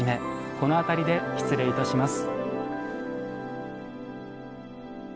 この辺りで失礼いたします。